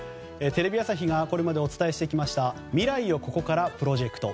テレビ朝日がこれまでお伝えしてきました未来をここからプロジェクト。